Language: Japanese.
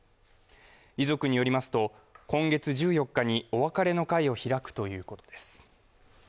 遺族によりますと、今月１４日にお別れの会を開くということです。